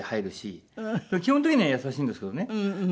基本的には優しいんですけどね。